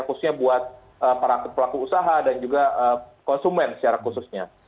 khususnya buat para pelaku usaha dan juga konsumen secara khususnya